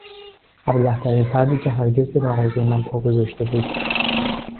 ابلهترین فردی که هرگز به مغازهی من پا گذاشته بود